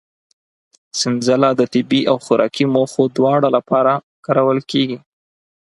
سنځله د طبي او خوراکي موخو دواړو لپاره کارول کېږي.